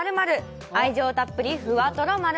愛情たっぷりふわとろ○○。